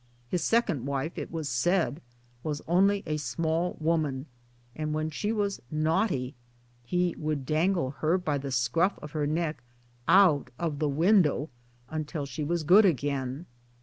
His second wife, it was said, was only a small woman, and when she was " naughty " he would dangle her by the scruff of her neck out of the window, until she was good again.